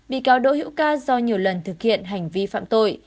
bị cáo đỗ hữu ca do nhiều lần thực hiện hành vi phạm tội